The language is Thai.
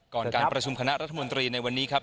การประชุมคณะรัฐมนตรีในวันนี้ครับ